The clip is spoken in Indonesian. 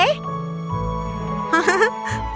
tenang temukan franz dulu